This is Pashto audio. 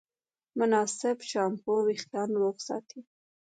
مناسب شامپو وېښتيان روغ ساتي.